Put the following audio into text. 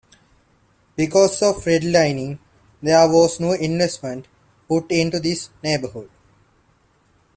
Because of redlining, there was no investment put into this neighborhood.